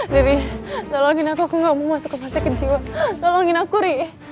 dewi tolongin aku aku enggak mau masuk ke masyarakat jiwa tolongin aku ri